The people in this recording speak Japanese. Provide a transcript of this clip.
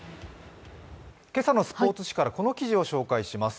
今朝のスポーツ紙からこの記事を紹介します。